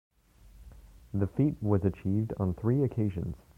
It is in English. The feat was achieved on three occasions.